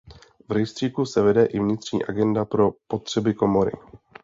V rejstříku se vede i vnitřní agenda pro potřeby Komory.